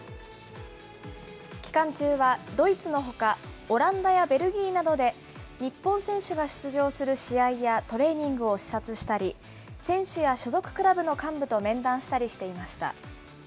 期間中はドイツのほか、オランダやベルギーなどで、日本選手が出場する試合やトレーニングを視察したり、選手や所属クラブの幹部と面談したりしていました。